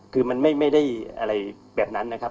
คือมันไม่ได้อะไรแบบนั้นนะครับ